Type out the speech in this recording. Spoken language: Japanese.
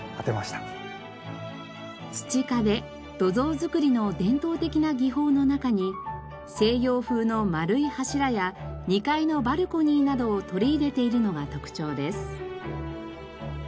土壁土蔵造りの伝統的な技法の中に西洋風の丸い柱や２階のバルコニーなどを取り入れているのが特徴です。